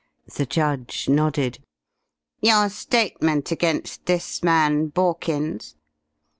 The judge nodded. "Your statement against this man Borkins